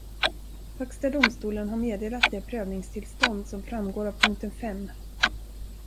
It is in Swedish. Högsta domstolen har meddelat det prövningstillstånd som framgår av punkten fem.